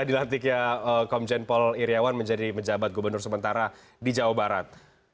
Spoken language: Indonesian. dilantiknya komjen paul iryawan menjadi menjabat gubernur sementara di jawa barat